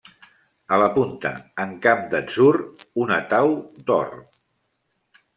A la punta, en camp d'atzur, una tau d'or.